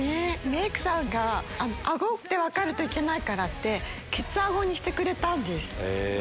メイクさんが顎で分かるといけないからってケツ顎にしてくれたんです。